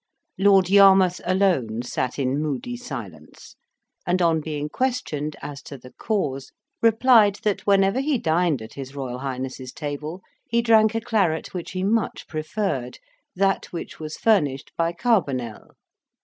Lord Yarmouth alone sat in moody silence, and, on being questioned as to the cause, replied that whenever he dined at his Royal Highness's table, he drank a claret which he much preferred that which was furnished by Carbonell.